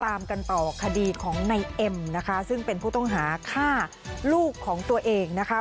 ตามกันต่อคดีของในเอ็มนะคะซึ่งเป็นผู้ต้องหาฆ่าลูกของตัวเองนะคะ